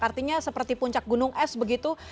artinya seperti puncak gunung es begitu